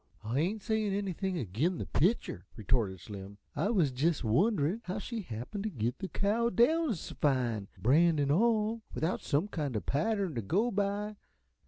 "I ain't sayin' anything agin' the pitcher," retorted Slim. "I was jest wonderin' how she happened t' git that cow down s' fine, brand 'n all, without some kind uh pattern t' go by.